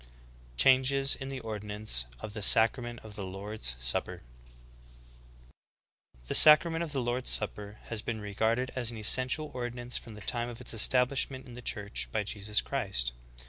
^/ changes in the ordinance of the sacrament of the ' lord's supper. 15. The sacrament of the Lord's Supper has been re garded as an essential ordinance from the time of its estab lishment in the Church by Jesus Christ.